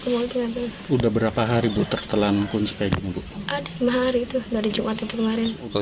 ke mobilnya udah berapa hari butuh telan kunci kayak gitu adem hari itu dari jumat itu kemarin